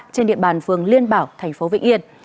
trên địa bàn phường liên bảo thành phố vĩnh yên